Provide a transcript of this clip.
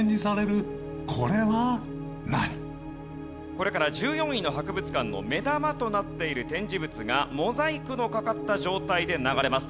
これから１４位の博物館の目玉となっている展示物がモザイクのかかった状態で流れます。